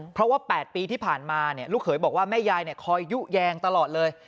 เพราะว่า๘ปีที่ผ่านมาลูกเขยบอกว่าแม่ยายคอยยุแยงตลอดเลย